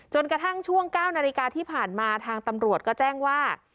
กระทั่งช่วง๙นาฬิกาที่ผ่านมาทางตำรวจก็แจ้งว่า